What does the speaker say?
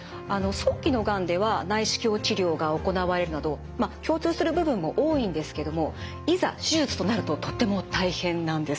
早期のがんでは内視鏡治療が行われるなど共通する部分も多いんですけどもいざ手術となるととっても大変なんです。